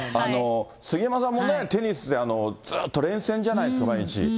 杉山さんもね、テニスでずっと連戦じゃないですか、毎日。